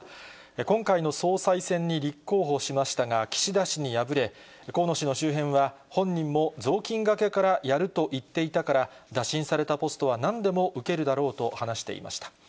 今回の総裁選に立候補しましたが、岸田氏に敗れ、河野氏の周辺は、本人も雑巾がけからやると言っていたから、打診されたポストはなんでも受けるだろうと話していました。